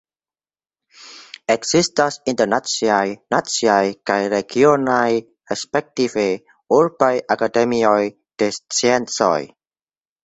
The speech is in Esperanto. Ekzistas internaciaj, naciaj kaj regionaj respektive urbaj Akademioj de Sciencoj.